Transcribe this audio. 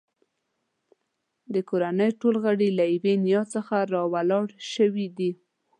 د کورنۍ ټول غړي له یوې نیا څخه راولاړ شوي دي.